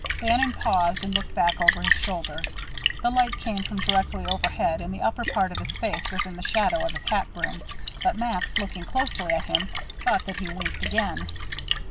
Bannon paused and looked back over his shoulder. The light came from directly overhead, and the upper part of his face was in the shadow of his hat brim, but Max, looking closely at him, thought that he winked again.